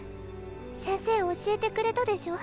先生教えてくれたでしょ。